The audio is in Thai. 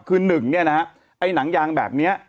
คือหนึ่งเนี่ยนะฮะไอ้หนังยางแบบนี้